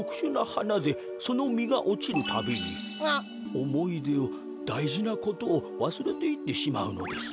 おもいでをだいじなことをわすれていってしまうのです。